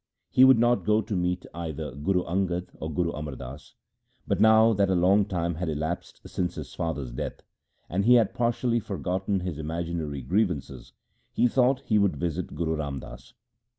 He would not go to meet either Guru Angad or Guru Amar Das, but, now that a long time had elapsed since his father's death, and he had partially forgotten his imaginary griev ances, he thought he would visit Guru Ram Das.